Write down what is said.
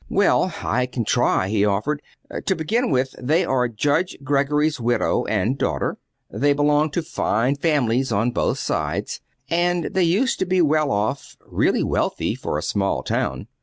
"Well, I can try," he offered. "To begin with, they are Judge Greggory's widow and daughter. They belong to fine families on both sides, and they used to be well off really wealthy, for a small town.